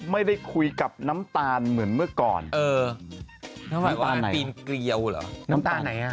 ไม่ได้คุยกับน้ำตาลเหมือนเมื่อก่อนเออน้ำตาลปีนเกลียวเหรอน้ำตาลไหนอ่ะ